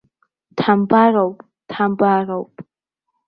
Дҳамбароуп, дҳамбароуп!